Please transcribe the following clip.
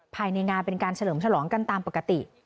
ภายในงานเป็นการเฉลิมฉลองกันตามปกติ